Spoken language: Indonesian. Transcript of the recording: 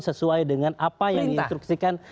sesuai dengan apa yang diinstruksikan